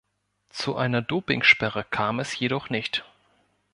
Zu einer Dopingsperre kam es jedoch nicht.